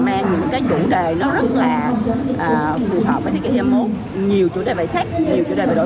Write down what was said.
mang những cái chủ đề nó rất là phù hợp với dịch sách nhiều chủ đề về sách nhiều chủ đề về đổi